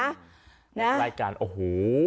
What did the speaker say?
นะรายการโอ้โฮ